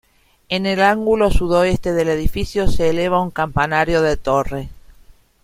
En el ángulo sudoeste del edificio se eleva un campanario de torre.